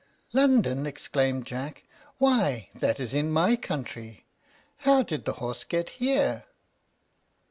"London!" exclaimed Jack; "why that is in my country. How did the horse get here?"